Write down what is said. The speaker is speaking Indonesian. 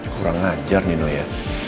kurang ngajar nino ya